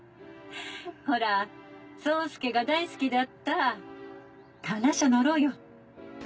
ほら聡介が大好きだった観覧車乗ろうよ。